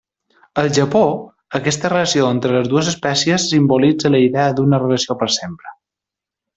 Al Japó, aquesta relació entre les dues espècies simbolitza la idea d'una relació per sempre.